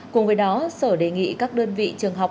cùng với đó sở đề nghị các đơn vị trường học